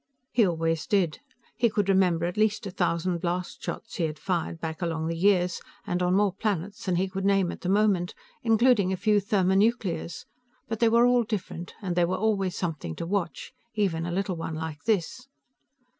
He always did. He could remember at least a thousand blast shots he had fired back along the years and on more planets than he could name at the moment, including a few thermonuclears, but they were all different and they were always something to watch, even a little one like this.